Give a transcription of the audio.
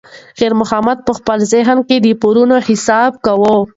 خیر محمد په خپل ذهن کې د پورونو حساب کاوه.